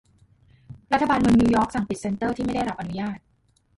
รัฐบาลเมืองนิวยอร์ก สั่งปิดเซ็นเซอร์ที่ไม่ได้รับอนุญาต